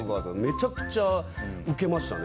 めちゃくちゃウケましたね。